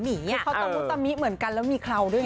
เขาต้องลูกตำมิเหมือนกันแล้วมีเราด้วย